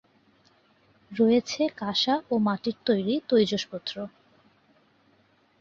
রয়েছে কাঁসা ও মাটির তৈরি তৈজসপত্র।